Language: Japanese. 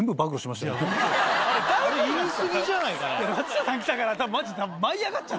あれ言い過ぎじゃないかね。